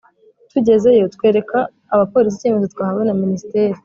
tugezeyo twereka abapolisi icyemezo twahawe na minisiteri